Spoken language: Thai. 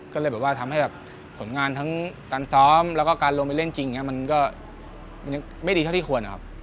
ก็เลยแบบว่าทำให้แบบผลงานทั้งการซ้อมแล้วก็การลงไปเล่นจริงอย่างนี้มันก็มันยังไม่ดีเท่าที่ควรนะครับ